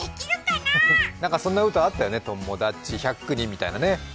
なんかそんな歌あったよね、友達１００人みたいな。